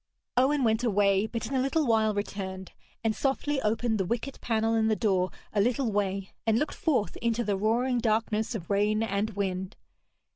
Owen went away, but in a little while returned, and softly opened the wicket panel in the door a little way, and looked forth into the roaring darkness of rain and wind.